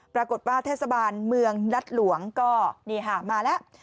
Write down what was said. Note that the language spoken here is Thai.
ปรากฏว่าเทศบาลเมืองรัฐหลวงก็นี่ค่ะมาแล้ว